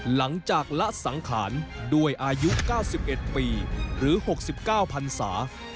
หลังจากละสังขารด้วยอายุ๙๑ปีหรือ๖๙พันศา